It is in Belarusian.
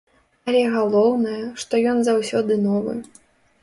Але галоўнае, што ён заўсёды новы.